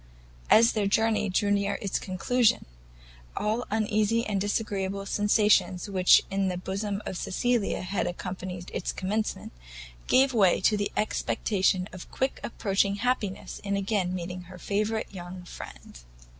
As their journey drew near to its conclusion, all the uneasy and disagreeable sensations which in the bosom of Cecilia had accompanied its commencement, gave way to the expectation of quick approaching happiness in again meeting her favourite young friend.